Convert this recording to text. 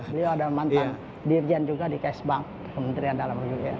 beliau ada mantan dirjen juga di ks bank kementerian dalam raya